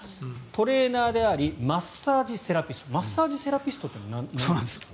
トレーナーでありマッサージセラピストマッサージセラピストというのはなんですか。